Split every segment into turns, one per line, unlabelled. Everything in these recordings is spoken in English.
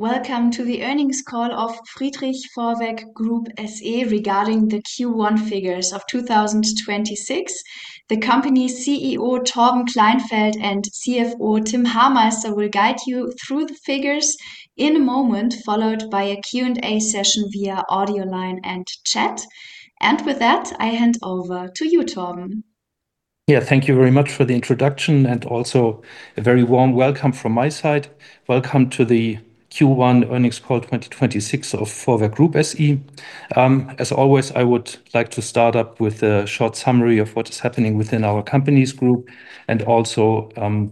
Welcome to the earnings call of Friedrich Vorwerk Group SE regarding the Q1 figures of 2026. The company Chief Executive Officer, Torben Kleinfeldt, and Chief Financial Officer, Tim Hameister, will guide you through the figures in a moment, followed by a Q&A session via audio line and chat. With that, I hand over to you, Torben.
Yeah. Thank you very much for the introduction and also a very warm welcome from my side. Welcome to the Q1 earnings call 2026 of Vorwerk Group SE. As always, I would like to start up with a short summary of what is happening within our company's group and also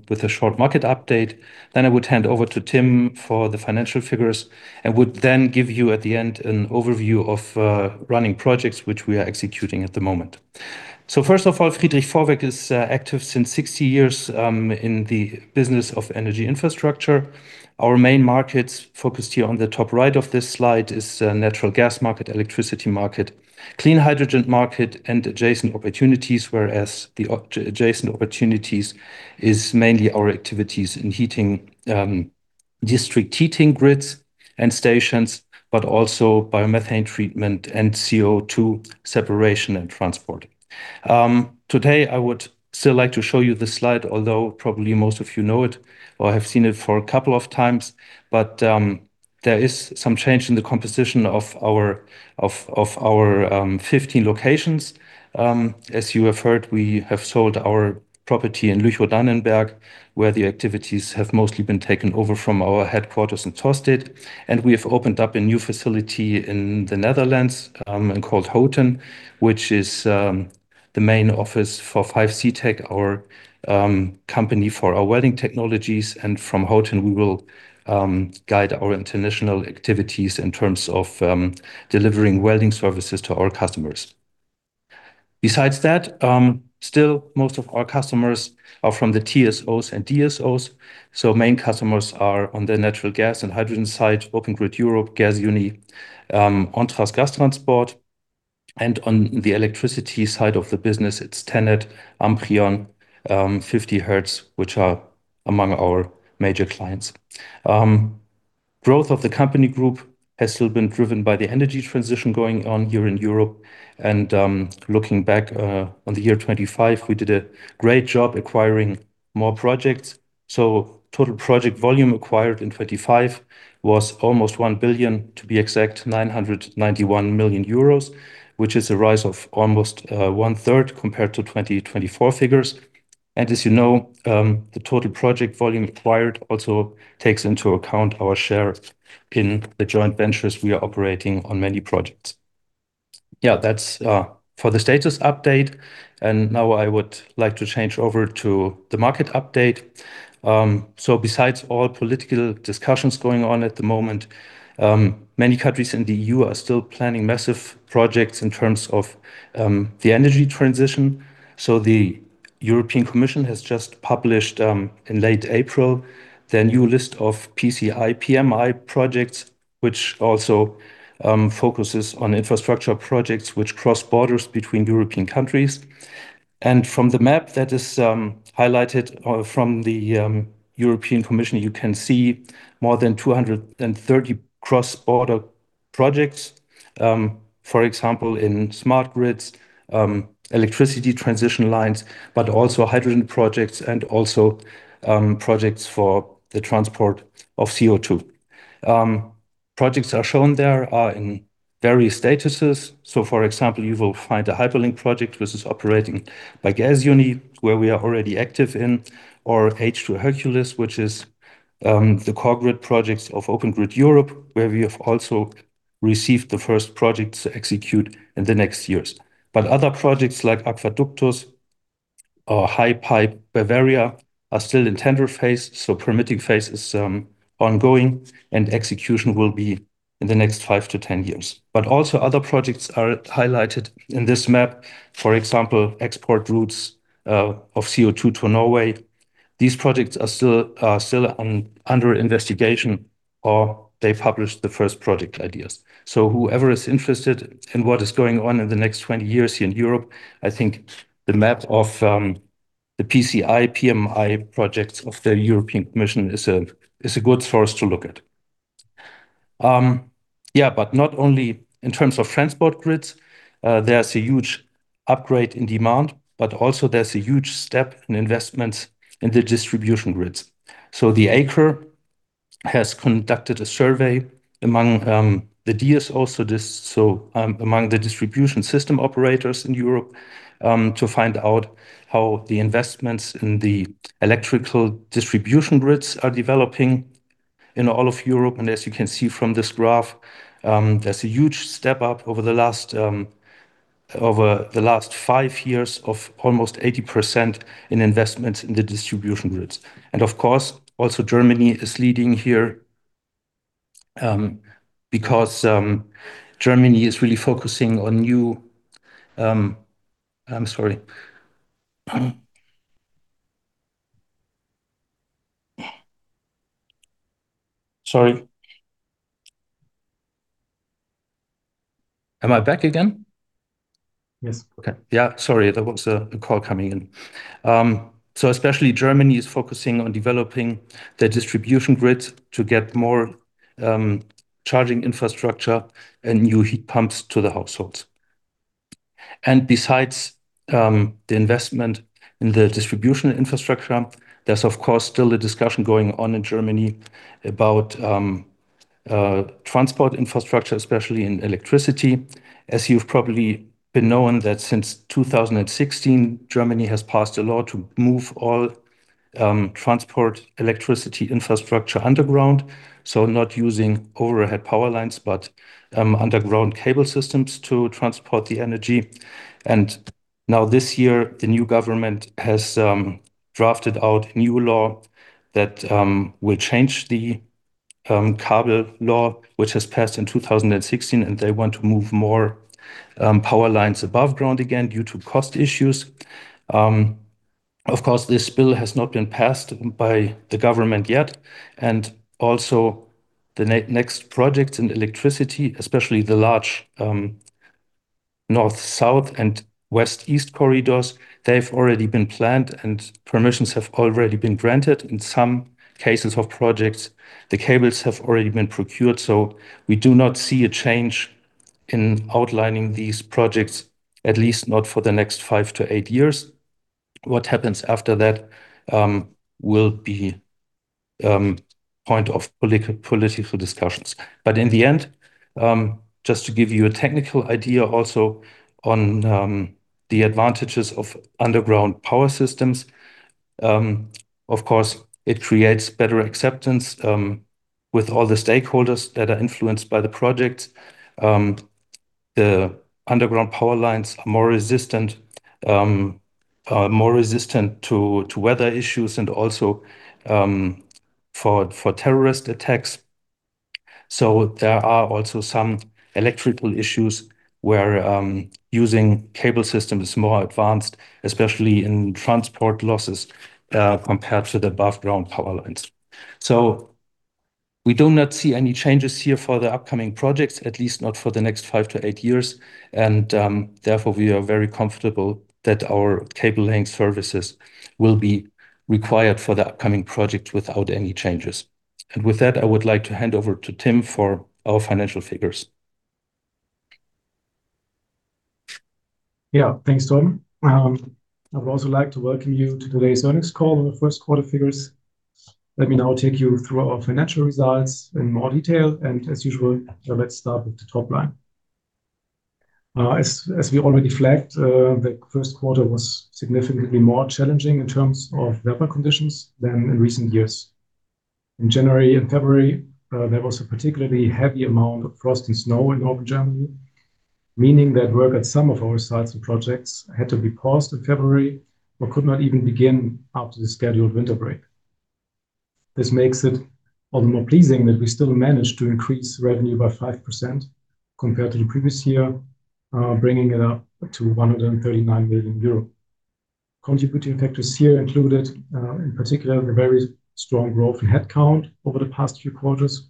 with a short market update. I would hand over to Tim for the financial figures and would then give you at the end an overview of running projects which we are executing at the moment. First of all, Friedrich Vorwerk is active since 60 years in the business of energy infrastructure. Our main markets focused here on the top right of this slide is natural gas market, electricity market, clean hydrogen market, and adjacent opportunities, whereas the adjacent opportunities is mainly our activities in heating, district heating grids and stations, but also biomethane treatment and CO₂ separation and transport. Today I would still like to show you the slide, although probably most of you know it or have seen it for a couple of times. There is some change in the composition of our 15 locations. As you have heard, we have sold our property in Lüchow-Dannenberg, where the activities have mostly been taken over from our headquarters in Tostedt, and we have opened up a new facility in the Netherlands, and called Houten, which is the main office for 5C-Tech GmbH, our company for our welding technologies. From Houten we will guide our international activities in terms of delivering welding services to our customers. Besides that, still most of our customers are from the TSOs and DSOs, so main customers are on the natural gas and hydrogen side, Open Grid Europe, Gasunie, ONTRAS Gas Transport. On the electricity side of the business, it's TenneT, Amprion, 50Hertz, which are among our major clients. Growth of the company group has still been driven by the energy transition going on here in Europe. Looking back on the year 2025, we did a great job acquiring more projects. Total project volume acquired in 2025 was almost 1 billion, to be exact, 991 million euros, which is a rise of almost 1/3 compared to 2024 figures. As you know, the total project volume acquired also takes into account our share in the joint ventures we are operating on many projects. Yeah, that's for the status update. Now I would like to change over to the market update. Besides all political discussions going on at the moment, many countries in the EU are still planning massive projects in terms of the energy transition. The European Commission has just published in late April, their new list of PCI, PMI projects, which also focuses on infrastructure projects which cross borders between European countries. From the map that is highlighted from the European Commission, you can see more than 230 cross-border projects, for example, in smart grids, electricity transition lines, but also hydrogen projects and also projects for the transport of CO₂. Projects are shown there are in various statuses. For example, you will find a Hyperlink project which is operating by Gasunie, where we are already active in, or H2ercules, which is the core grid projects of Open Grid Europe, where we have also received the first projects to execute in the next years. Other projects like AquaDuctus or HyPipe Bavaria are still in tender phase, permitting phase is ongoing and execution will be in the next five years to 10 years. Also other projects are highlighted in this map, for example, export routes of CO₂ to Norway. These projects are still under investigation or they've published the first project ideas. Whoever is interested in what is going on in the next 20 years here in Europe, I think the map of the PCI, PMI projects of the European Commission is a good source to look at. Not only in terms of transport grids, there's a huge upgrade in demand, also there's a huge step in investments in the distribution grids. The ACER has conducted a survey among the DSOs, among the distribution system operators in Europe, to find out how the investments in the electrical distribution grids are developing in all of Europe. As you can see from this graph, there's a huge step up over the last, over the last 5 years of almost 80% in investments in the distribution grids. Of course, also Germany is leading here, because Germany is really focusing on new, I'm sorry. Sorry. Am I back again?
Yes.
Okay. Yeah, sorry, there was a call coming in. Especially Germany is focusing on developing the distribution grid to get more charging infrastructure and new heat pumps to the households. Besides the investment in the distribution infrastructure, there's of course still a discussion going on in Germany about transport infrastructure, especially in electricity. As you've probably been knowing that since 2016, Germany has passed a law to move all transport electricity infrastructure underground, so not using overhead power lines, but underground cable systems to transport the energy. Now this year, the new government has drafted out new law that will change the Cable Law which has passed in 2016, and they want to move more power lines above ground again due to cost issues. Of course, this bill has not been passed by the government yet, the next project in electricity, especially the large north, south and west, east corridors, they've already been planned and permissions have already been granted. In some cases of projects, the cables have already been procured, we do not see a change in outlining these projects, at least not for the next five to eight years. What happens after that will be point of political discussions. In the end, just to give you a technical idea also on the advantages of underground power systems, of course, it creates better acceptance with all the stakeholders that are influenced by the projects. The underground power lines are more resistant to weather issues and also for terrorist attacks. There are also some electrical issues where using cable system is more advanced, especially in transport losses, compared to the above ground power lines. We do not see any changes here for the upcoming projects, at least not for the next five to eight years. Therefore, we are very comfortable that our cable laying services will be required for the upcoming project without any changes. With that, I would like to hand over to Tim for our financial figures.
Yeah. Thanks, Torben. I would also like to welcome you to today's earnings call on the first quarter figures. Let me now take you through our financial results in more detail. As usual, let's start with the top line. As we already flagged, the first quarter was significantly more challenging in terms of weather conditions than in recent years. In January and February, there was a particularly heavy amount of frost and snow in northern Germany, meaning that work at some of our sites and projects had to be paused in February or could not even begin after the scheduled winter break. This makes it all the more pleasing that we still managed to increase revenue by 5% compared to the previous year, bringing it up to 139 million euro. Contributing factors here included, in particular, a very strong growth in headcount over the past few quarters,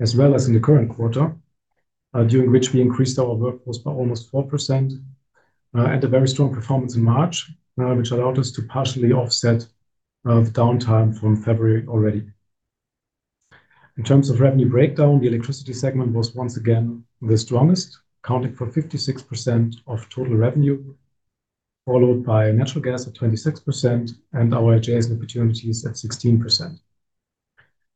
as well as in the current quarter, during which we increased our workforce by almost 4%, and a very strong performance in March, which allowed us to partially offset the downtime from February already. In terms of revenue breakdown, the electricity segment was once again the strongest, accounting for 56% of total revenue, followed by natural gas at 26% and our adjacent opportunities at 16%.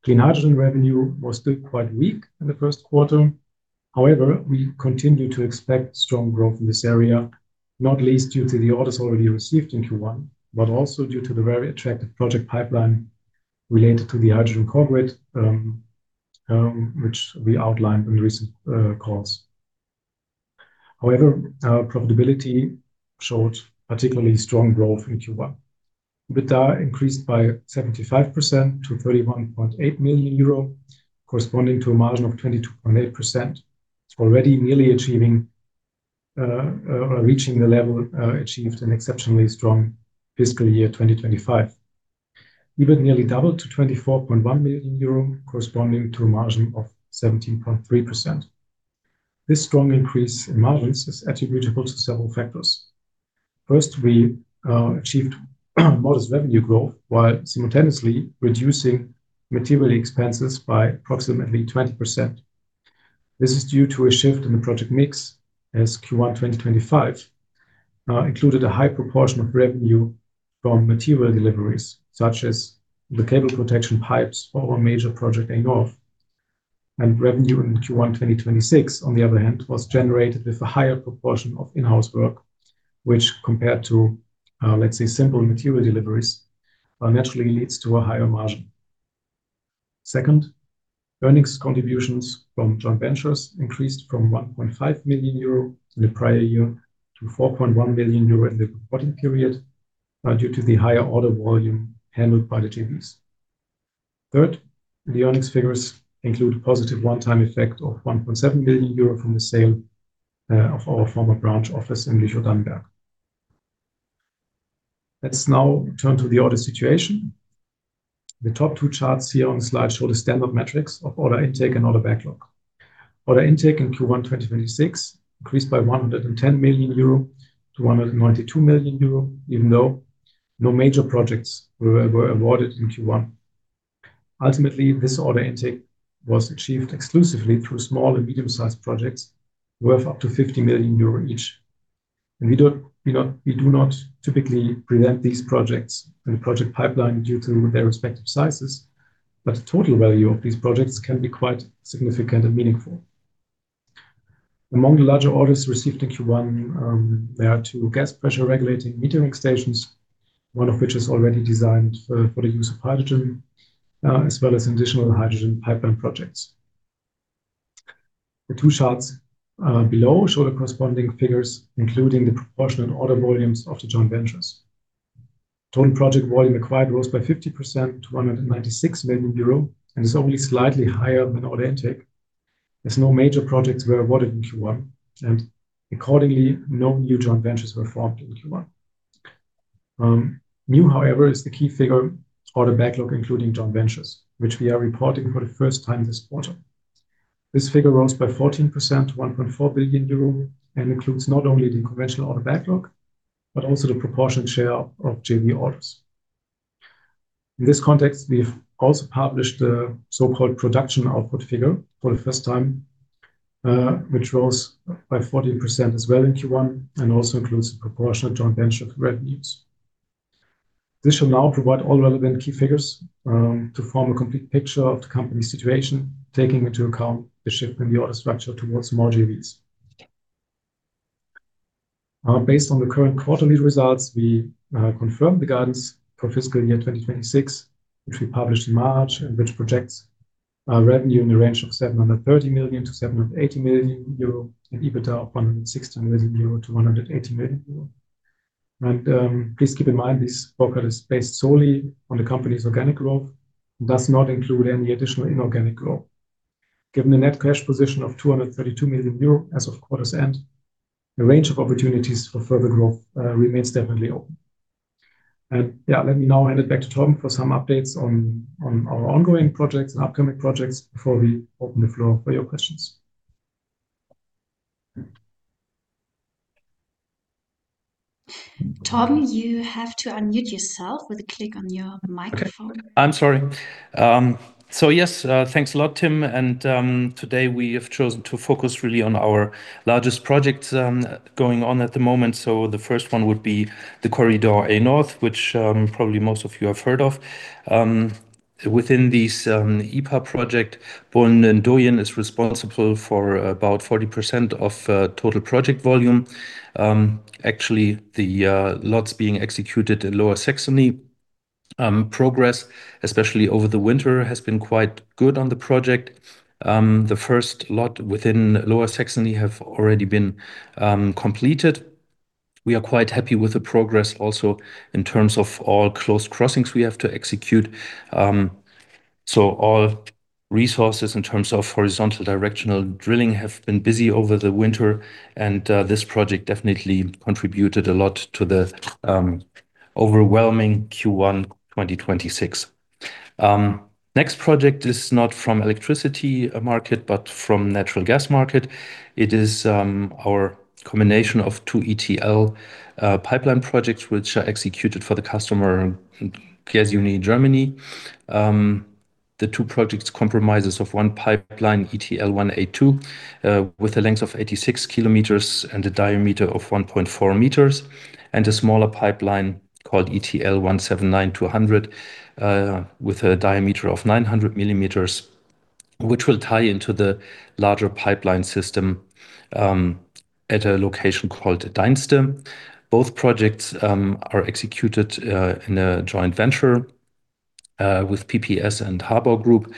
Clean hydrogen revenue was still quite weak in the first quarter. However, we continue to expect strong growth in this area, not least due to the orders already received in Q1, but also due to the very attractive project pipeline related to the hydrogen core network, which we outlined in recent calls. However, our profitability showed particularly strong growth in Q1. EBITDA increased by 75% to 31.8 million euro, corresponding to a margin of 22.8%. It's already nearly reaching the level achieved in exceptionally strong fiscal year 2025. EBITA nearly doubled to 24.1 million euro, corresponding to a margin of 17.3%. This strong increase in margins is attributable to several factors. First, we achieved modest revenue growth while simultaneously reducing material expenses by approximately 20%. This is due to a shift in the project mix as Q1 2025 included a high proportion of revenue from material deliveries, such as the cable protection pipes for our major project A-Nord. Revenue in Q1 2026, on the other hand, was generated with a higher proportion of in-house work, which compared to, let's say, simple material deliveries, naturally leads to a higher margin. Second, earnings contributions from joint ventures increased from 1.5 million euro in the prior year to 4.1 million euro in the reporting period, due to the higher order volume handled by the JVs. Third, the earnings figures include a positive one-time effect of 1.7 million euro from the sale of our former branch office in Lüchow. Let's now turn to the order situation. The top two charts here on the slide show the standard metrics of order intake and order backlog. Order intake in Q1 2026 increased by 110 million-192 million euro, even though no major projects were awarded in Q1. Ultimately, this order intake was achieved exclusively through small and medium-sized projects worth up to 50 million euro each. We do not typically present these projects in the project pipeline due to their respective sizes, but the total value of these projects can be quite significant and meaningful. Among the larger orders received in Q1, there are two gas pressure regulating metering stations, one of which is already designed for the use of hydrogen, as well as additional hydrogen pipeline projects. The two charts below show the corresponding figures, including the proportion and order volumes of the joint ventures. Total project volume acquired rose by 50% to 196 million euro, and is only slightly higher than order intake, as no major projects were awarded in Q1. Accordingly, no new joint ventures were formed in Q1. New, however, is the key figure order backlog including joint ventures, which we are reporting for the first time this quarter. This figure rose by 14% to 1.4 billion euro, and includes not only the conventional order backlog, but also the proportion share of JV orders. In this context, we've also published the so-called production output figure for the first time, which rose by 14% as well in Q1, and also includes proportionate joint venture revenues. This should now provide all relevant key figures to form a complete picture of the company's situation, taking into account the shift in the order structure towards more JVs. Based on the current quarterly results, we confirm the guidance for fiscal year 2026, which we published in March and which projects revenue in the range of 730 million-780 million euro and EBITDA of 160 million-180 million euro. Please keep in mind this forecast is based solely on the company's organic growth, and does not include any additional inorganic growth. Given the net cash position of 232 million euro as of quarter's end, the range of opportunities for further growth remains definitely open. Yeah, let me now hand it back to Torben for some updates on our ongoing projects and upcoming projects before we open the floor for your questions.
Torben, you have to unmute yourself with a click on your microphone.
Okay. I'm sorry. Yes, thanks a lot, Tim, today we have chosen to focus really on our largest projects going on at the moment. The first one would be the Corridor A-Nord, which probably most of you have heard of. Within this IPA project, Bohlen & Doyen is responsible for about 40% of total project volume. Actually, the lots being executed in Lower Saxony, progress, especially over the winter, has been quite good on the project. The first lot within Lower Saxony have already been completed. We are quite happy with the progress also in terms of all closed crossings we have to execute. All resources in terms of horizontal directional drilling have been busy over the winter and this project definitely contributed a lot to the overwhelming Q1 2026. Next project is not from electricity market, from natural gas market. It is our combination of two ETL pipeline projects which are executed for the customer, Gasunie Germany. The two projects compromises of one pipeline, ETL 182, with a length of 86 km and a diameter of 1.4 meters, and a smaller pipeline called ETL 179-200, with a diameter of 900 millimeters, which will tie into the larger pipeline system at a location called Dieksum. Both projects are executed in a joint venture with PPS and Habau Group.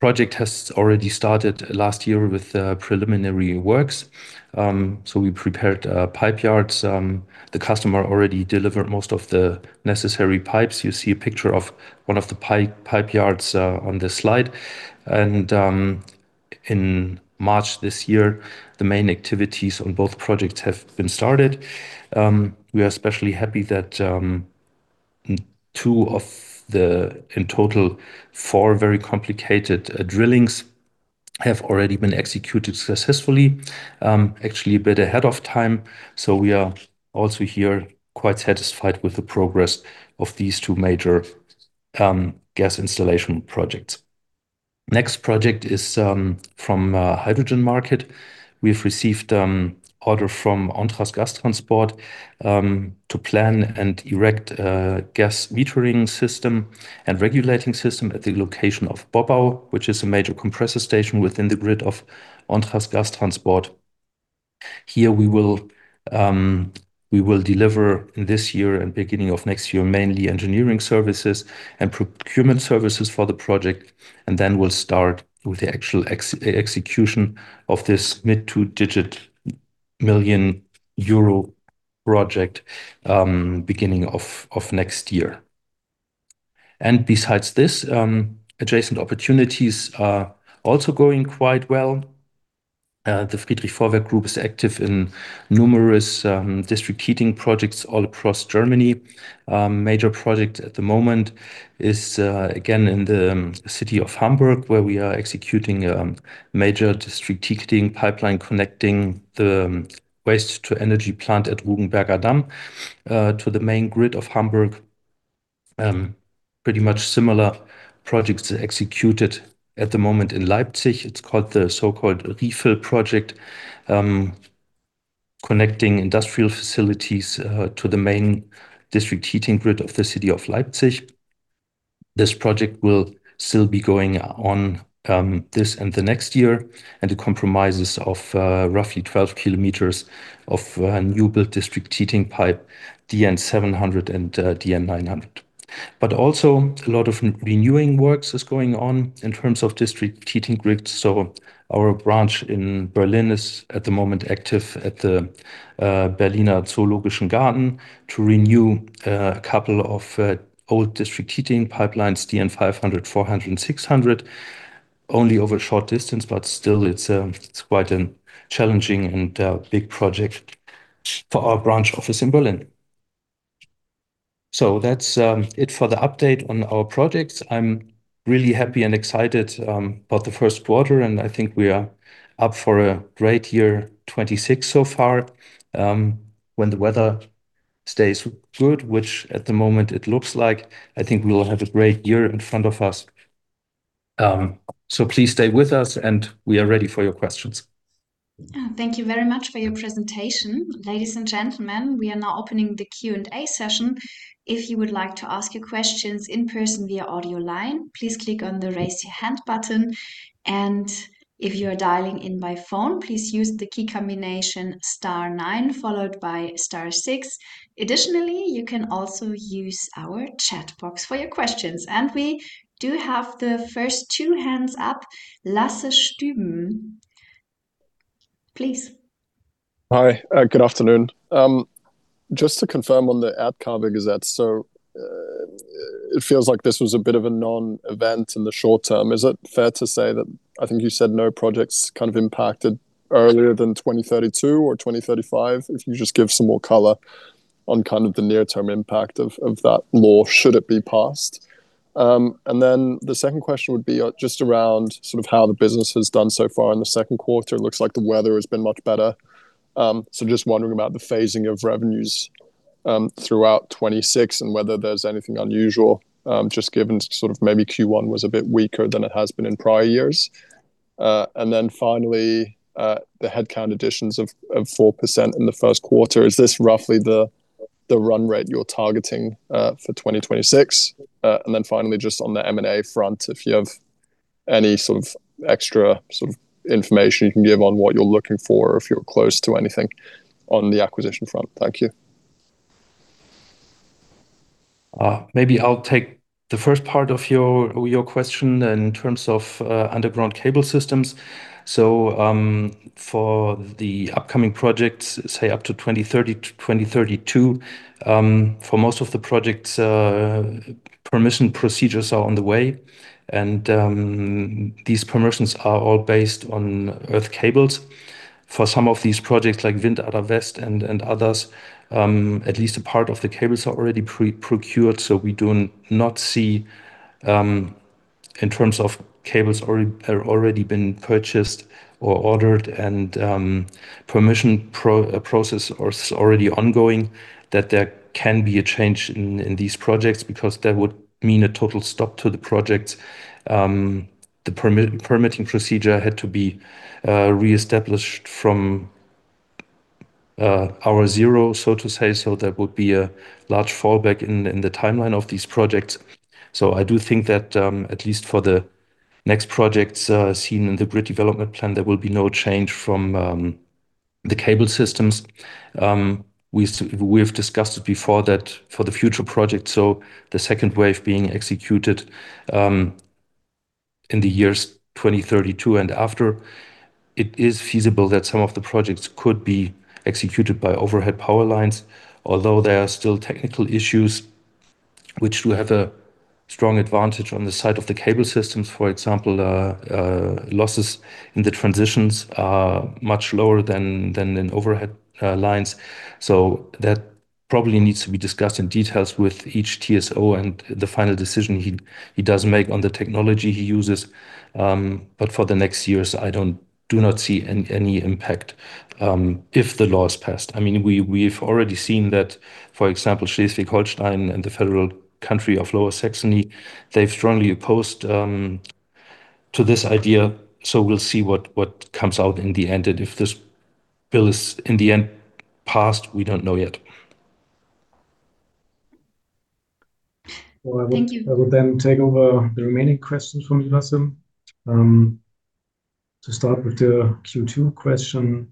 Project has already started last year with preliminary works. We prepared pipe yards. The customer already delivered most of the necessary pipes. You see a picture of 1 of the pipe yards on this slide. In March this year, the main activities on both projects have been started. We are especially happy that two of the, in total, four very complicated drillings have already been executed successfully, actually a bit ahead of time. We are also here quite satisfied with the progress of these two major gas installation projects. Next project is from hydrogen market. We've received order from ONTRAS Gas Transport to plan and erect a gas metering system and regulating system at the location of Bobbau, which is a major compressor station within the grid of ONTRAS Gas Transport. Here we will deliver in this year and beginning of next year, mainly engineering services and procurement services for the project, and then we'll start with the actual execution of this mid 2-digit million euro project beginning of next year. Besides this, adjacent opportunities are also going quite well. The Friedrich Vorwerk Group is active in numerous district heating projects all across Germany. Major project at the moment is again in the city of Hamburg, where we are executing major district heating pipeline connecting the waste to energy plant at Rugenberger Damm to the main grid of Hamburg. Pretty much similar projects are executed at the moment in Leipzig. It's called the so-called REFILL project, connecting industrial facilities to the main district heating grid of the city of Leipzig. This project will still be going on, this and the next year, and it compromises of roughly 12 km of new built district heating pipe, DN 700 and DN 900. But also a lot of renewing works is going on in terms of district heating grids. Our branch in Berlin is at the moment active at the Berliner Zoologischer Garten to renew a couple of old district heating pipelines, DN 500, DN 400 and DN 600, only over a short distance, but still it's quite an challenging and big project for our branch office in Berlin. That's it for the update on our projects. I'm really happy and excited about the first quarter, and I think we are up for a great year 2026 so far. When the weather stays good, which at the moment it looks like, I think we will have a great year in front of us. Please stay with us and we are ready for your questions.
Thank you very much for your presentation. Ladies and gentlemen, we are now opening the Q&A session. If you would like to ask your questions in person via audio line, please click on the Raise Your Hand button. If you are dialing in by phone, please use the key combination star nine followed by star six. Additionally, you can also use our chat box for your questions. We do have the first two hands up. Lasse Stueben, please.
Hi. Good afternoon. Just to confirm on the Erdverkabelungsgesetz. It feels like this was a bit of a non-event in the short term. Is it fair to say that, I think you said no project's kind of impacted earlier than 2032 or 2035? If you just give some more color on kind of the near term impact of that law should it be passed. The second question would be just around sort of how the business has done so far in the second quarter. It looks like the weather has been much better. Just wondering about the phasing of revenues throughout 2026 and whether there's anything unusual, just given sort of maybe Q1 was a bit weaker than it has been in prior years. The headcount additions of 4% in the first quarter. Is this roughly the run rate you're targeting for 2026? Just on the M&A front, if you have any extra sort of information you can give on what you're looking for or if you're close to anything on the acquisition front. Thank you.
Maybe I'll take the first part of your question in terms of underground cable systems. For the upcoming projects, say up to 2030 to 2032, for most of the projects, permission procedures are on the way and these permissions are all based on earth cables. For some of these projects like Wind At West and others, at least a part of the cables are already pre-procured, so we do not see in terms of cables already been purchased or ordered and permission process is already ongoing, that there can be a change in these projects because that would mean a total stop to the projects. The permitting procedure had to be reestablished from hour zero, so to say, so that would be a large fallback in the timeline of these projects. I do think that at least for the next projects, seen in the grid development plan, there will be no change from the cable systems. We have discussed before that for the future projects, so the second wave being executed, in the years 2032 and after, it is feasible that some of the projects could be executed by overhead power lines. Although there are still technical issues which do have a strong advantage on the side of the cable systems, for example, losses in the transitions are much lower than in overhead lines. That probably needs to be discussed in details with each TSO and the final decision he does make on the technology he uses. For the next years, I do not see any impact if the law is passed. I mean, we've already seen that, for example, Schleswig-Holstein and the Federal Country of Lower Saxony, they've strongly opposed to this idea. We'll see what comes out in the end, and if this bill is in the end passed, we don't know yet.
Thank you.
Well, I will then take over the remaining questions from you, Lasse. To start with the Q2 question,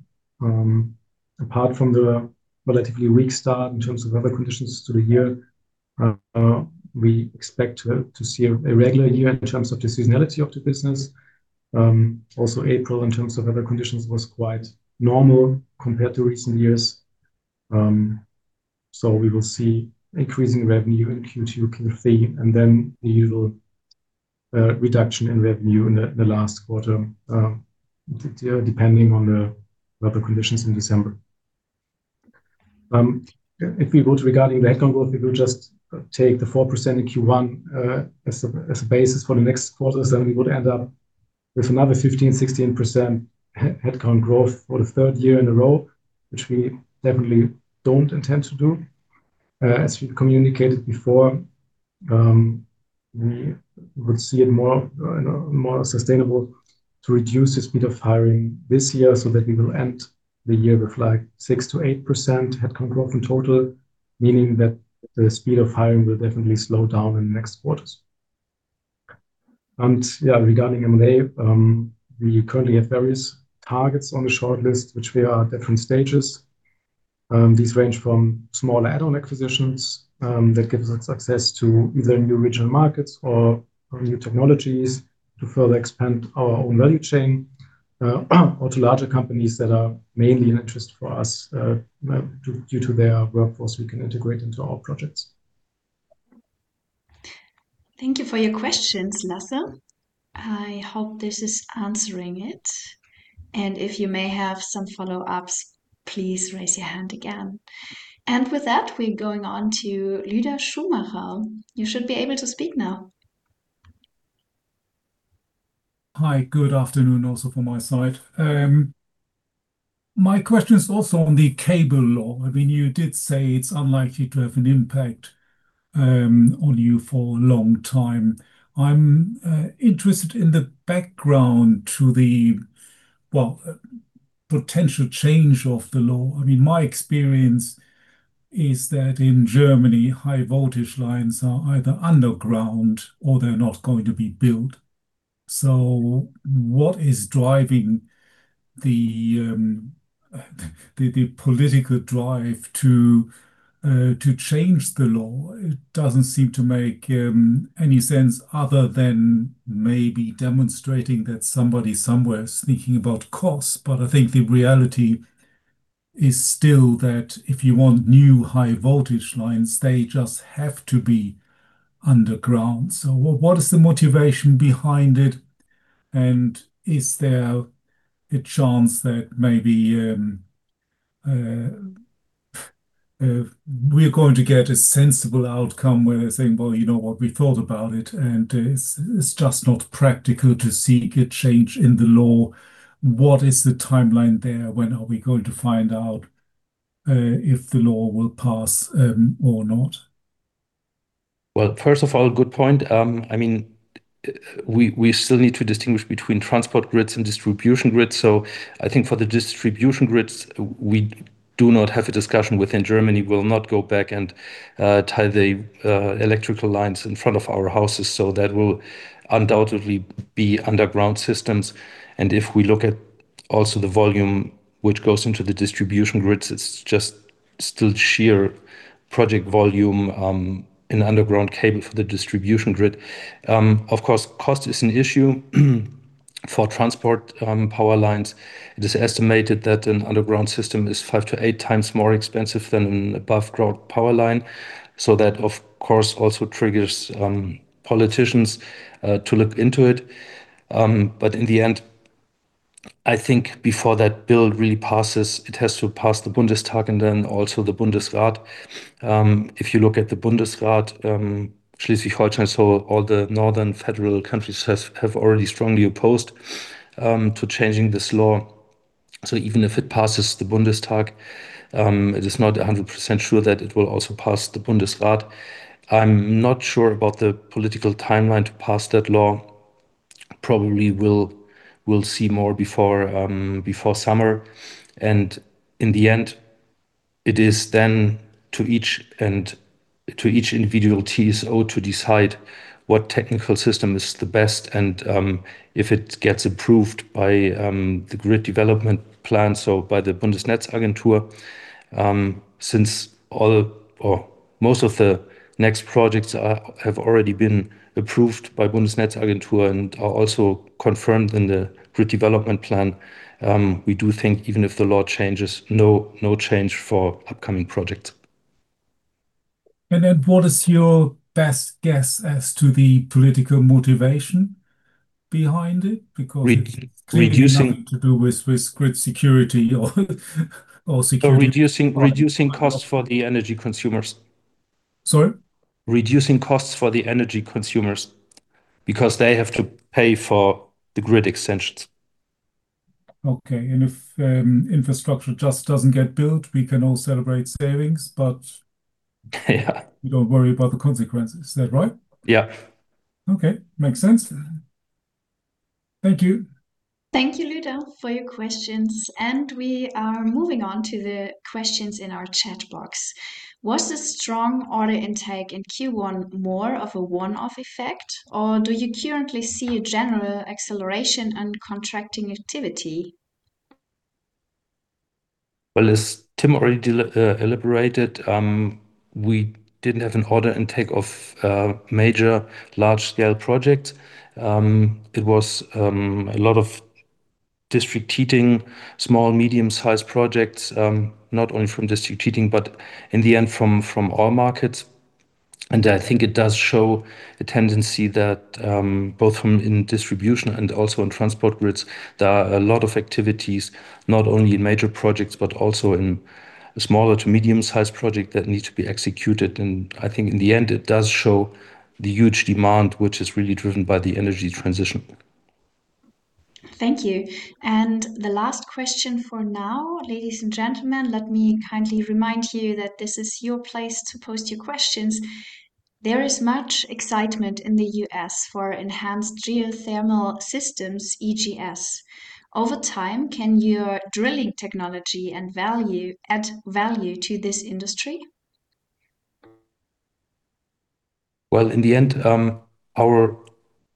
apart from the relatively weak start in terms of weather conditions to the year, we expect to see a regular year in terms of the seasonality of the business. Also April in terms of weather conditions was quite normal compared to recent years. So we will see increasing revenue in Q2 can see, and then the usual reduction in revenue in the last quarter, depending on the weather conditions in December. If we go to regarding the headcount growth, if we just take the 4% in Q1, as a basis for the next quarters, then we would end up with another 15%-16% headcount growth for the third year in a row, which we definitely don't intend to do. As we communicated before, we would see it more sustainable to reduce the speed of hiring this year so that we will end the year with, like, 6%-8% headcount growth in total, meaning that the speed of hiring will definitely slow down in the next quarters. Yeah, regarding M&A, we currently have various targets on the shortlist which we are at different stages. These range from small add-on acquisitions that gives us access to either new regional markets or new technologies to further expand our own value chain or to larger companies that are mainly an interest for us due to their workforce we can integrate into our projects.
Thank you for your questions, Lasse Stueben. I hope this is answering it, and if you may have some follow-ups, please raise your hand again. With that, we're going on to Lueder Schumacher. You should be able to speak now.
Hi. Good afternoon also from my side. My question is also on the cable law. I mean, you did say it's unlikely to have an impact on you for a long time. I'm interested in the background to the, well, potential change of the law. I mean, my experience is that in Germany, high voltage lines are either underground or they're not going to be built. What is driving the political drive to change the law? It doesn't seem to make any sense other than maybe demonstrating that somebody somewhere is thinking about costs, but I think the reality is still that if you want new high voltage lines, they just have to be underground. What is the motivation behind it, and is there a chance that maybe, we're going to get a sensible outcome where they're saying, "Well, you know what? We thought about it, and it's just not practical to seek a change in the law." What is the timeline there? When are we going to find out, if the law will pass, or not?
Well, first of all, good point. I mean, we still need to distinguish between transport grids and distribution grids. I think for the distribution grids, we do not have a discussion within Germany. We'll not go back and tie the electrical lines in front of our houses. That will undoubtedly be underground systems. If we look at also the volume which goes into the distribution grids, it's just still sheer project volume in underground cable for the distribution grid. Of course, cost is an issue for transport power lines. It is estimated that an underground system is 5x-8x more expensive than an above ground power line. That, of course, also triggers politicians to look into it. In the end, I think before that bill really passes, it has to pass the Bundestag and then also the Bundesrat. If you look at the Bundesrat, Schleswig-Holstein, so all the northern federal countries have already strongly opposed to changing this law. Even if it passes the Bundestag, it is not 100% sure that it will also pass the Bundesrat. I'm not sure about the political timeline to pass that law. Probably we'll see more before summer. In the end, it is then to each individual TSO to decide what technical system is the best and if it gets approved by the grid development plan, so by the Bundesnetzagentur. Since all or most of the next projects have already been approved by Bundesnetzagentur and are also confirmed in the grid development plan, we do think even if the law changes, no change for upcoming projects.
What is your best guess as to the political motivation behind it?
Re- reducing-
clearly nothing to do with grid security or security.
reducing costs for the energy consumers.
Sorry?
Reducing costs for the energy consumers because they have to pay for the grid extensions.
Okay. If infrastructure just doesn't get built, we can all celebrate savings.
Yeah.
We don't worry about the consequences. Is that right?
Yeah.
Okay. Makes sense. Thank you.
Thank you, Lueder, for your questions. We are moving on to the questions in our chat box. Was the strong order intake in Q1 more of a one-off effect, or do you currently see a general acceleration and contracting activity?
Well, as Tim already elaborated, we didn't have an order intake of major large scale projects. It was a lot of district heating, small and medium-sized projects, not only from district heating, but in the end from all markets. I think it does show a tendency that both from in distribution and also in transport grids, there are a lot of activities, not only in major projects, but also in smaller to medium-sized project that need to be executed. I think in the end it does show the huge demand which is really driven by the energy transition.
Thank you. The last question for now, ladies and gentlemen, let me kindly remind you that this is your place to post your questions. There is much excitement in the U.S. for Enhanced Geothermal Systems, EGS. Over time, can your drilling technology and value add value to this industry?
In the end, our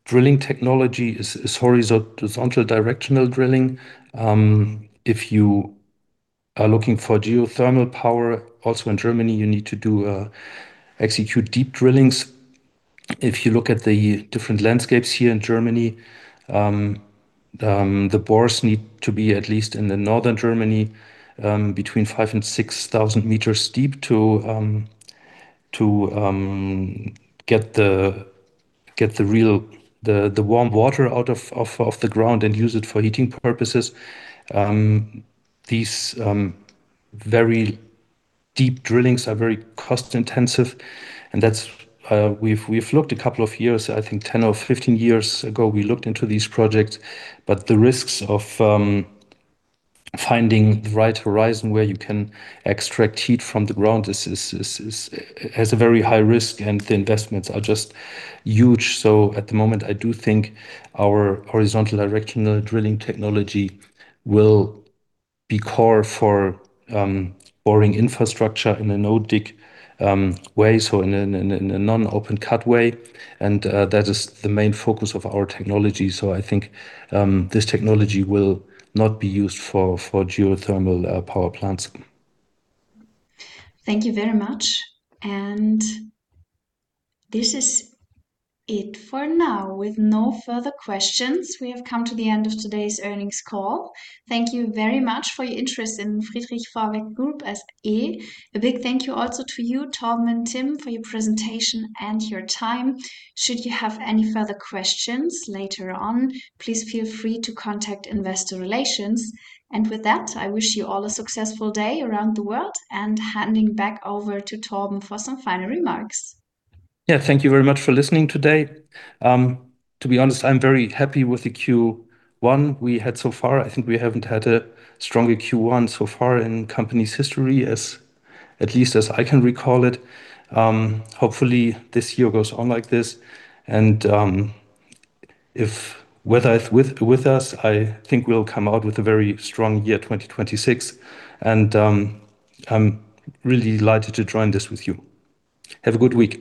drilling technology is horizontal directional drilling. If you are looking for geothermal power also in Germany, you need to execute deep drillings. If you look at the different landscapes here in Germany, the bores need to be at least in the northern Germany, between 5,000 meters and 6,000 meters deep to get the real warm water out of the ground and use it for heating purposes. These very deep drillings are very cost-intensive, and that's. We've looked a couple of years, I think 10 years or 15 years ago we looked into these projects, but the risks of finding the right horizon where you can extract heat from the ground has a very high risk, and the investments are just huge. At the moment, I do think our horizontal directional drilling technology will be core for boring infrastructure in a no dig way, so in a non-open cut way, and that is the main focus of our technology. I think this technology will not be used for geothermal power plants.
Thank you very much. This is it for now. With no further questions, we have come to the end of today's earnings call. Thank you very much for your interest in Friedrich Vorwerk Group SE. A big thank you also to you, Torben and Tim, for your presentation and your time. Should you have any further questions later on, please feel free to contact investor relations. With that, I wish you all a successful day around the world. Handing back over to Torben for some final remarks.
Thank you very much for listening today. To be honest, I'm very happy with the Q1 we had so far. I think we haven't had a stronger Q1 so far in company's history as, at least as I can recall it. Hopefully this year goes on like this and, if weather is with us, I think we'll come out with a very strong year 2026 and, I'm really delighted to join this with you. Have a good week.